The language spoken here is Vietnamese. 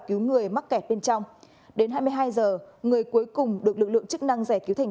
cứu người mắc kẹt bên trong đến hai mươi hai h người cuối cùng được lực lượng chức năng giải cứu thành